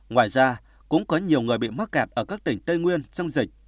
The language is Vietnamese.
ngoài ra cũng có nhiều người bị mắc kẹt ở các tỉnh tây nguyên sông dịch